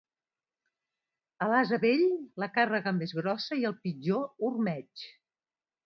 A l'ase vell, la càrrega més grossa i el pitjor ormeig.